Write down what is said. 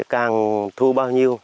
càng thu bao nhiêu